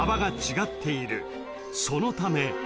［そのため］